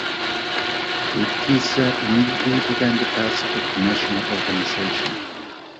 Urquiza immediately began the task of national organization.